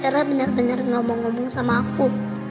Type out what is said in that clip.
tiara bener bener gak mau ngomong sama aku